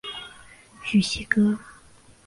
叙西厄。